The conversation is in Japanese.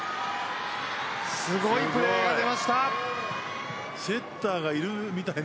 すごいプレーが出ました。